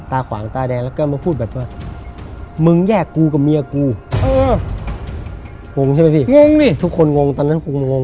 ตาขวางตาแตงแล้วก็มาพูดแบบว่า